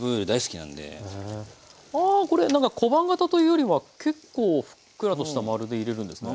ああこれ何か小判形というよりは結構ふっくらとした丸で入れるんですね。